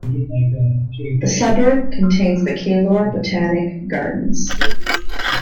The suburb contains the Keilor Botanic Gardens.